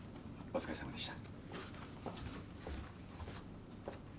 お疲れさまでした。